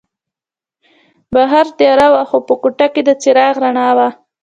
بهر تیاره وه خو په کوټه کې د څراغ رڼا وه.